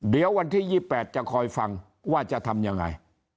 เดี๋ยววันที่๒๘จะคอยฟังว่าจะทำยังไง